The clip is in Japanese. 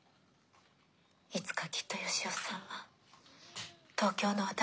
いつかきっと義雄さんは東京の私たち